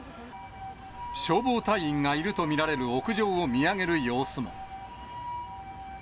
消防隊員がいると見られる屋上を見上げる様子も。